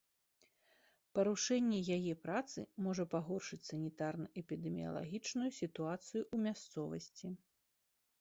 Парушэнне яе працы можа пагоршыць санітарна-эпідэміялагічную сітуацыю ў мясцовасці.